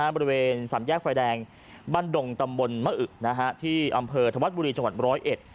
บริเวณสามแยกไฟแดงบรรดงตำบลมะอึกที่อำเภอถวัดบุรีจังหวัด๑๐๑